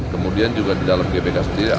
kemudian juga di dalam gbk sendiri